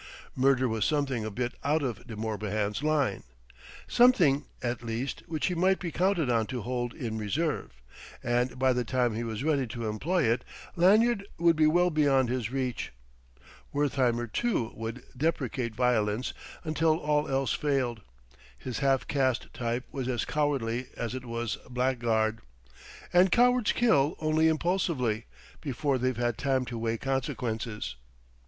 Murder was something a bit out of De Morbihan's line something, at least, which he might be counted on to hold in reserve. And by the time he was ready to employ it, Lanyard would be well beyond his reach. Wertheimer, too, would deprecate violence until all else failed; his half caste type was as cowardly as it was blackguard; and cowards kill only impulsively, before they've had time to weigh consequences.